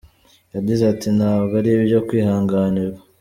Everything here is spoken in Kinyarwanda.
Yagize ati: "Ntabwo ari ibyo kwihanganirwa.